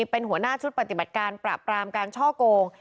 เป็นหัวหน้าชุดปฏิบัติการปราบปรามการช่อโกง